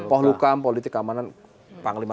pohlukam politik keamanan panglima